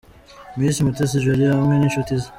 Miss Mutesi Jolly hamwe n'inshuti ze.